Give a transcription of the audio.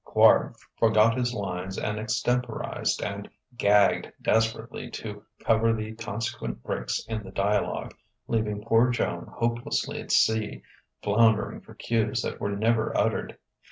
Quard forgot his lines and extemporized and "gagged" desperately to cover the consequent breaks in the dialogue; leaving poor Joan hopelessly at sea, floundering for cues that were never uttered.